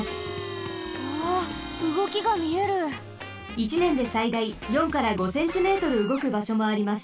１ねんでさいだい４から５センチメートルうごくばしょもあります。